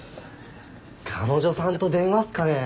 彼女さんと電話っすかね。